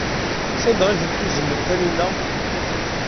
Sanda ay ten-tuzen Taninna?